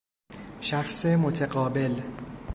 شخص متقابل